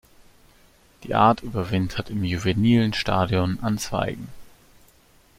Die Art überwintert im juvenilen Stadium an Zweigen.